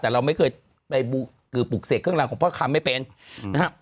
แต่เราไม่เคยไปคือปลูกเสกเครื่องรางของพ่อคำไม่เป็นนะฮะ